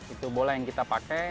itu bola yang kita pakai